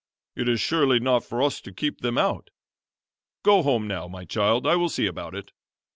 "It is surely not for us to keep them out. Go home now, my child. I will see about it."